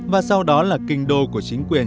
và sau đó là kinh đô của chính quyền